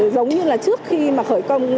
giống như là trước khi mà khởi công